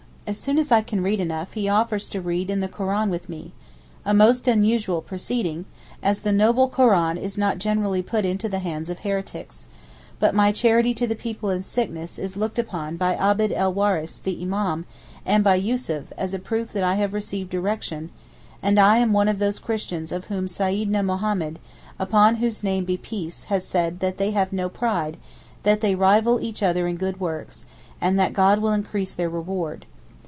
As soon as I can read enough he offers to read in the Koran with me—a most unusual proceeding, as the 'noble Koran' is not generally put into the hands of heretics; but my 'charity to the people in sickness' is looked upon by Abd el Waris the Imam, and by Yussuf, as a proof that I have 'received direction,' and am of those Christians of whom Seyyidna Mohammed (upon whose name be peace) has said 'that they have no pride, that they rival each other in good works, and that God will increase their reward.